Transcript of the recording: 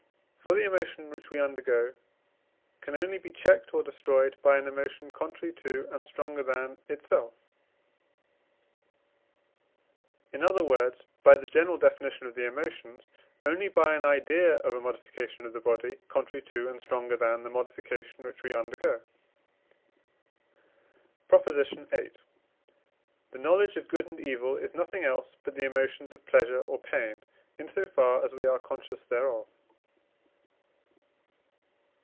For the emotion which we undergo can only be checked or destroyed by an emotion contrary to, and stronger than, itself, in other words, (by the general Definition of the Emotions) only by an idea of a modification of the body contrary to, and stronger than, the modification which we undergo. PROP. VIII. The knowledge of good and evil is nothing else but the emotions of pleasure or pain, in so far as we are conscious thereof.